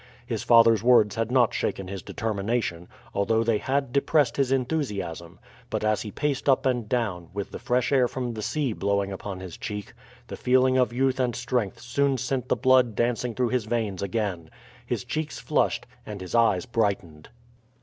His father's words had not shaken his determination, although they had depressed his enthusiasm; but as he paced up and down, with the fresh air from the sea blowing upon his cheek, the feeling of youth and strength soon sent the blood dancing through his veins again. His cheeks flushed, and his eyes brightened.